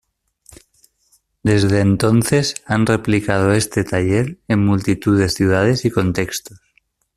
Desde entonces han replicado este taller en multitud de ciudades y contextos.